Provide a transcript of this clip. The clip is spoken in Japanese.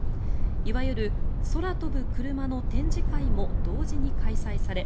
いわゆる空飛ぶクルマの展示会も同時に開催され